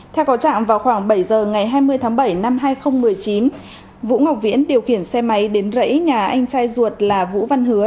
theo có trạng vào khoảng bảy giờ ngày hai mươi tháng bảy năm hai nghìn một mươi chín vũ ngọc viễn điều khiển xe máy đến rẫy nhà anh trai ruột là vũ văn hứa